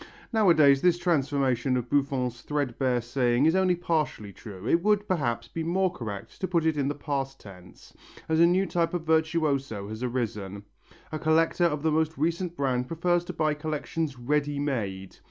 Nowadays this transformation of Buffon's threadbare saying is only partially true. It would, perhaps, be more correct to put it in the past tense, as a new type of virtuoso has arisen. A collector of the most recent brand prefers to buy collections "ready made."